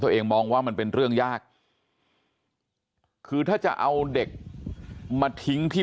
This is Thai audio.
มองว่ามันเป็นเรื่องยากคือถ้าจะเอาเด็กมาทิ้งที่